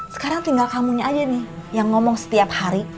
sekarang tinggal kamunya aja nih yang ngomong setiap hari